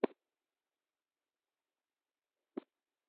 د شپې مو لید څنګه دی؟